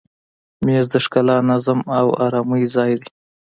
مېز د ښکلا، نظم او آرامي ځای دی.